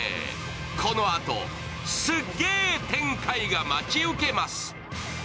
このあと、すっげー展開が待ち受けます。